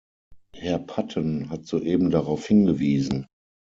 Herr Patten hat soeben darauf hingewiesen.